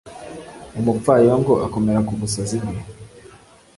umupfayongo akomera ku busazi bwe